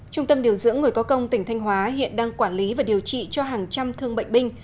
trung tâm điều dưỡng người có công tỉnh thanh hóa hiện đang quản lý và điều trị cho hàng trăm thương bệnh binh